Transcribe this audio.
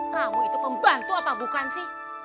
kamu itu pembantu apa bukan sih